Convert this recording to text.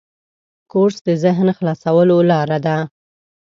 کورس د ذهن خلاصولو لاره ده.